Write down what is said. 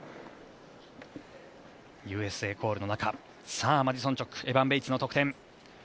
ＵＳＡコールの中マディソン・チョークエバン・ベイツの得点。